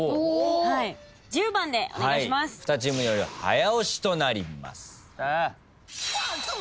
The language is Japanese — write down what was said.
２チームによる早押しとなります。